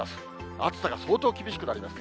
暑さが相当厳しくなります。